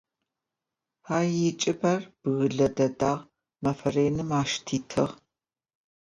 А чӏыпӏэр бгылъэ дэдагъ, мэфэ реным ащ титыгъ.